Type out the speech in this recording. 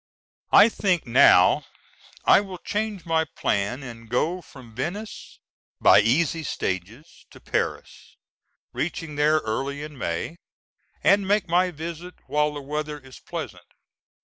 I think now I will change my plan and go from Venice, by easy stages, to Paris, reaching there early in May, and make my visit while the weather is pleasant.